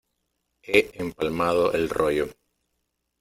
he empalmado el rollo.